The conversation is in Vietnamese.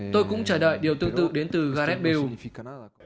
tôi cũng chờ đợi điều tư tự đến từ gareth bale